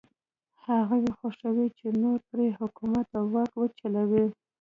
هغوی خوښوي چې نور پرې حکومت او واک وچلوي.